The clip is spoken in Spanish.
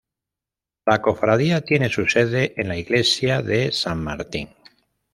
La cofradía tiene su sede en la iglesia de San Martín.